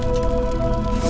aku akan menang